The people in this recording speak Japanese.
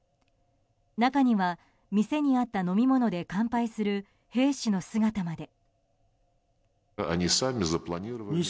中には店にあった飲み物で乾杯する兵士の姿まで。